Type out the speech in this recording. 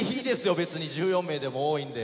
別に１４名でも多いんで。